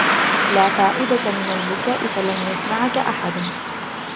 لا فائدة من البكاء ، فلن يسمعك أحد.